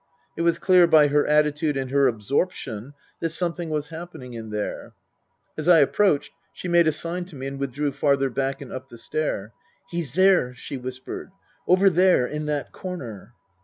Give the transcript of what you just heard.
It was clear by her attitude and her absorption that something was happening in there. As I approached she made a sign to me and withdrew farther back and up the stair. "He's there," she whispered. "Over there. In that corner."